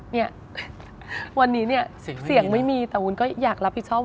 เนี่ยวันนี้เนี่ยเสียงไม่มีแต่วุ้นก็อยากรับผิดชอบ